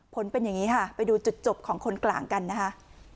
ผลเป็นอย่างนี้ค่ะไปดูจุดจบของคนกลางกันนะคะ